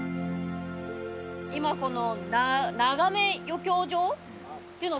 今この。